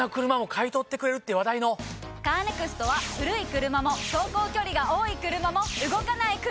カーネクストは古い車も走行距離が多い車も動かない車でも。